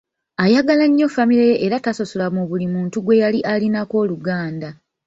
Ayagala nnyo famire ye era tasosola mu buli muntu gwe yali alinako oluganda.